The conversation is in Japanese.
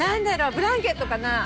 ブランケットかな？